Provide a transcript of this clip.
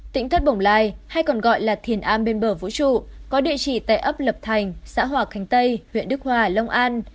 tỉnh thất bồng lai hay còn gọi là thiền an bên bờ vũ trụ có địa chỉ tại ấp lập thành xã hòa khánh tây huyện đức hòa long an